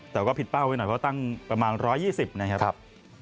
แต่ว่าผิดเป้าไว้หน่อยเพราะตั้งประมาณ๑๒๐นะครับ